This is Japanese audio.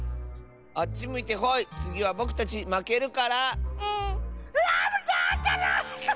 あっちむいてホイつぎはぼくたちまけるから。